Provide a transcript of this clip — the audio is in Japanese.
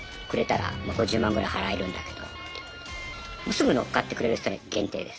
すぐ乗っかってくれる人限定です。